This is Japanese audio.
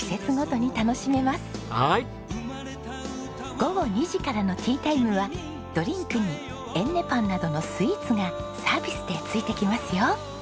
午後２時からのティータイムはドリンクにえんねパンなどのスイーツがサービスでついてきますよ。